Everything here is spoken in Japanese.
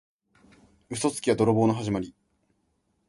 嘘つきは泥棒のはじまり。